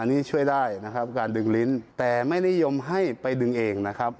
อันนี้ช่วยได้นะครับการดึงลิ้นแต่ไม่นิยมให้ไปดึงเองนะครับ